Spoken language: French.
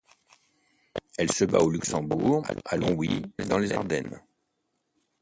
Elle se bat au Luxembourg, à Longwy, dans les Ardennes.